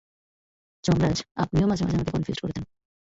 যমরাজ, আপনিও মাঝে মাঝে আমাকে কনফিউজ করে দেন।